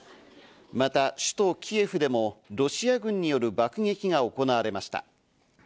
また首都・キエフでもロシア軍による爆撃が行われました。